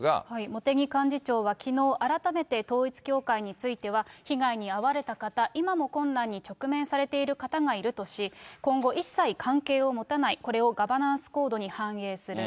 茂木幹事長はきのう改めて統一教会については、被害に遭われた方、今も困難に直面されている方がいるとし、今後一切関係を持たない、これをガバナンスコードに反映する。